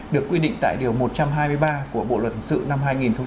được quy định tại điều một trăm hai mươi ba của bộ luật hình sự năm hai nghìn một mươi năm